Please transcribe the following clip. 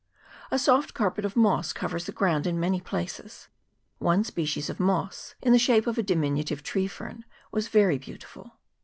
A soft carpet of moss covers the ground in many places. One species of moss, in the shape of a di minutive fern tree, was very beautiful.